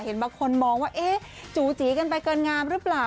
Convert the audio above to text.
เห็นบางคนมองว่าจู๋จีกันไปเกินงามรึเปล่า